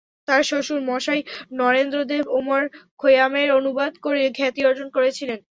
তাঁর শ্বশুর মশাই নরেন্দ্র দেব ওমর খৈয়ামের অনুবাদ করে খ্যাতি অর্জন করেছিলেন।